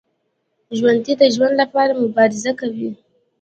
ژوندي د ژوند لپاره مبارزه کوي